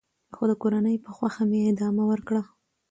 خو د کورنۍ په خوښه مې ادامه ورکړه .